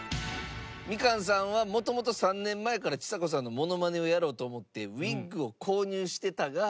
みかんさんは元々３年前からちさ子さんのモノマネをやろうと思ってウィッグを購入してたが。